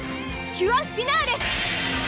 キュアフィナーレ！